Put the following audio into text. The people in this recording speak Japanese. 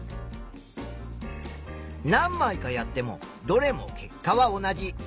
何まいかやってもどれも結果は同じ。